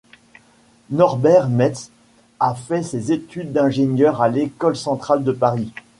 Norbert Metz a fait ses études d'ingénieur à l'École centrale de Paris.